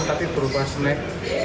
tapi berupa snek